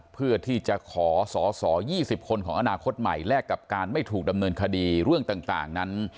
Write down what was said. เพื่อที่จะขอสอสอ๒๐คนของอนาคตใหม่แลกกับการไม่ถูกดำเนินคดีเรื่องต่างนั้น